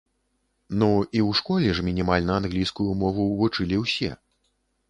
Ну, і ў школе ж мінімальна англійскую мову вучылі ўсе.